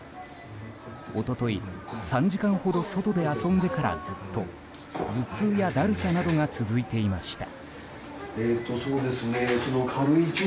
一昨日、３時間ほど外で遊んでからずっと頭痛やだるさなどが続いていました。